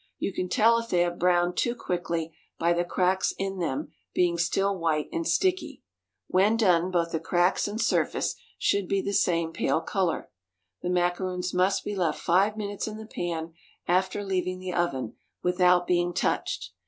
You can tell if they have browned too quickly by the cracks in them being still white and sticky. When done both the cracks and surface should be the same pale color. The macaroons must be left five minutes in the pan after leaving the oven without being touched.